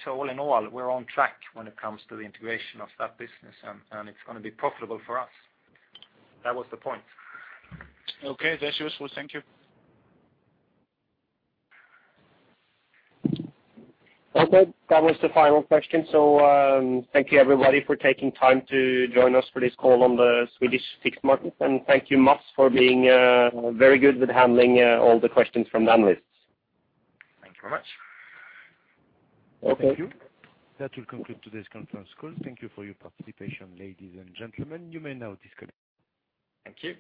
So all in all, we're on track when it comes to the integration of that business, and it's gonna be profitable for us. That was the point. Okay, that's useful. Thank you. Okay, that was the final question. Thank you, everybody, for taking time to join us for this call on the Swedish fixed market. Thank you, Mats, for being very good with handling all the questions from the analysts. Thank you very much. Okay. Thank you. That will conclude today's conference call. Thank you for your participation, ladies and gentlemen. You may now disconnect. Thank you.